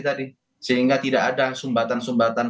tadi sehingga tidak ada sumbatan sumbatan